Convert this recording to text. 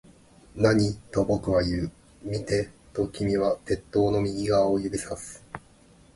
何？と僕は言う。見て、と君は鉄塔の右側を指差す